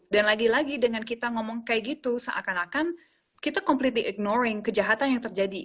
dan lagi lagi dengan kita ngomong kayak gitu seakan akan kita completely ignoring kejahatan yang terjadi